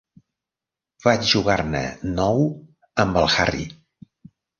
Vaig jugar-ne nou amb el Harry.